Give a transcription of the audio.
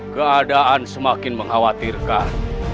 keadaan semakin mengkhawatirkan